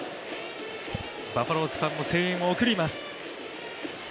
バファローズファンも声援を送ります。